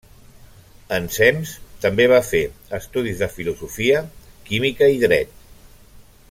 Ensems, també va fer, estudis de filosofia, química i dret.